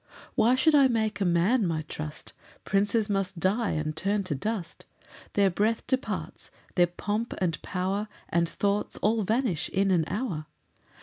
3 Why should I make a man my trust? Princes must die and turn to dust; Their breath departs, their pomp and power And thoughts, all vanish in an hour.